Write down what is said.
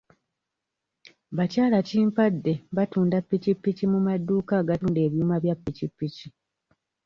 Bakyalakimpadde batunda pikipiki mu madduuka agatunda ebyuma bya pikipiki.